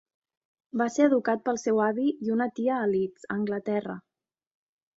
Va ser educat pel seu avi i una tia a Leeds a Anglaterra.